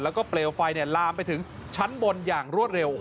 แล้วก็เปลวไฟลามไปถึงชั้นบนอย่างรวดเร็ว